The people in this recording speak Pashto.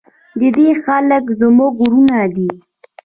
د دې خلک زموږ ورونه دي؟